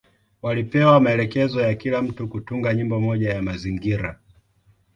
Walipewa maelekezo ya kila mtu kutunga nyimbo moja ya mazingira.